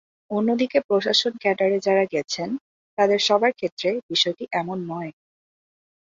অন্যদিকে প্রশাসন ক্যাডারে যাঁরা গেছেন, তাঁদের সবার ক্ষেত্রে বিষয়টি এমন নয়।